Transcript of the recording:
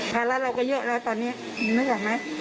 ภาระเราก็เยอะแล้วตอนนี้นึกออกไหม